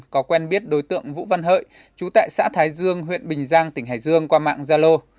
có quen biết đối tượng vũ văn hợi chú tại xã thái dương huyện bình giang tỉnh hải dương qua mạng gia lô